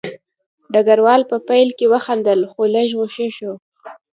ډګروال په پیل کې وخندل خو لږ غوسه شو